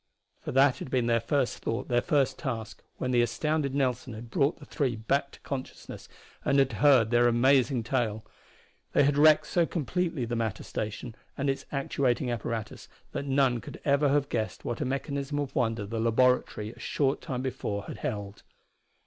For that had been their first thought, their first task, when the astounded Nelson had brought the three back to consciousness and had heard their amazing tale. They had wrecked so completely the matter station and its actuating apparatus that none could ever have guessed what a mechanism of wonder the laboratory a short time before had held.